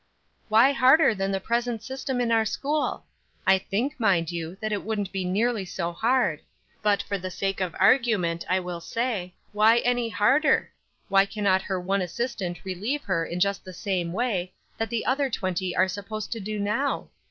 "Why harder than the present system in our school? I think, mind you, that it wouldn't be nearly so hard. But, for the sake of the argument, I will say, Why any harder? Why cannot her one assistant relieve her in just the same way that the other twenty are supposed to do now?